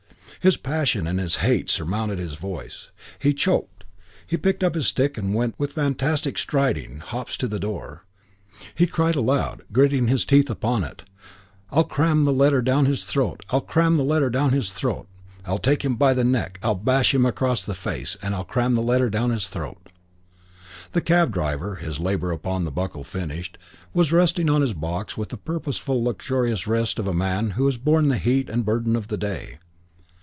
His passion and his hate surmounted his voice. He choked. He picked up his stick and went with frantic striding hops to the door. He cried aloud, gritting his teeth upon it, "I'll cram the letter down his throat. I'll cram the letter down his throat. I'll take him by the neck. I'll bash him across the face. And I'll cram the letter down his throat." The cab driver, his labour upon the buckle finished, was resting on his box with the purposeful and luxurious rest of a man who has borne the heat and burden of the day.